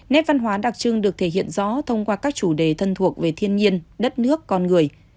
nét văn hóa đặc trưng được thể hiện rõ thông qua các chủ đề thân thuộc về thiên nhiên đất nước con người